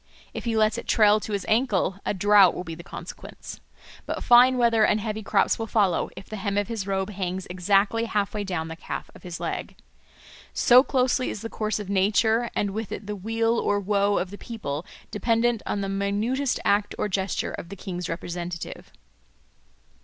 If he lets it trail to his ankle, a drought will be the consequence. But fine weather and heavy crops will follow if the hem of his robe hangs exactly half way down the calf of his leg. So closely is the course of nature, and with it the weal or woe of the people, dependent on the minutest act or gesture of the king's representative.